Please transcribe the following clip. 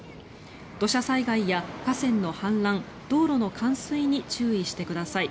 土砂災害や河川の氾濫道路の冠水に注意してください。